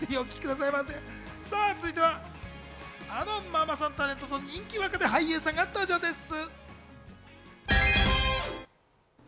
続いては、あのママさんタレントと人気若手俳優さんが登場です。